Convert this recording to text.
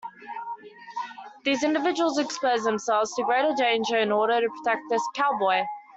These individuals expose themselves to great danger in order to protect the cowboy.